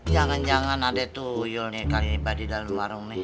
jangan jangan ada tuyul nih kali ini mbah di dalam warung nih